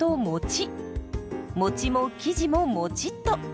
もちも生地ももちっと。